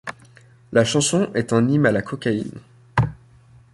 La chanson est un hymne à la cocaïne.